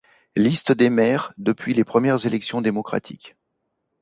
Liste des maires, depuis les premières élections démocratiques.